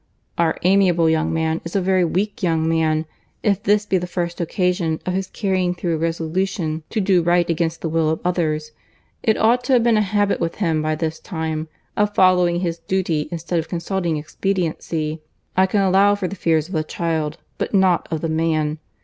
"Our amiable young man is a very weak young man, if this be the first occasion of his carrying through a resolution to do right against the will of others. It ought to have been a habit with him by this time, of following his duty, instead of consulting expediency. I can allow for the fears of the child, but not of the man.